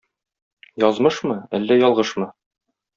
Язмышмы, әллә ялгышмы?